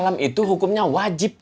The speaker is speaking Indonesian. hai hai uh harassing